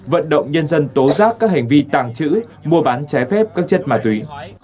vận động nhân dân tố giác các hành vi tàng trữ mua bán trái phép các chất ma túy